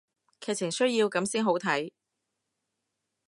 劇情需要噉先好睇